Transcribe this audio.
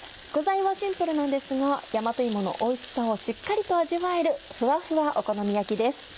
具材はシンプルなんですが大和芋のおいしさをしっかりと味わえるふわふわお好み焼きです